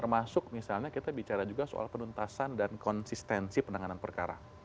termasuk misalnya kita bicara juga soal penuntasan dan konsistensi penanganan perkara